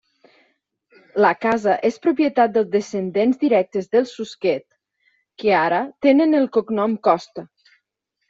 La casa és propietat dels descendents directes dels Suquet, que ara tenen el cognom Costa.